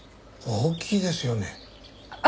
大きいですよね。